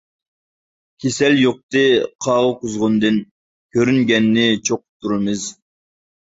كېسەل يۇقتى قاغا قۇزغۇندىن، كۆرۈنگەننى چوقۇپ تۇرىمىز.